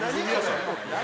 何？